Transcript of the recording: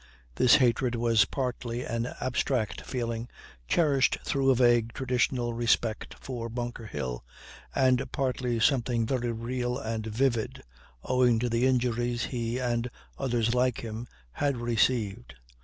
This hatred was partly an abstract feeling, cherished through a vague traditional respect for Bunker Hill, and partly something very real and vivid, owing to the injuries he, and others like him, had received.